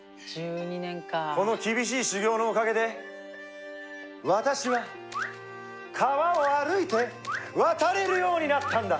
この厳しい修行のおかげで私は川を歩いて渡れるようになったんだ！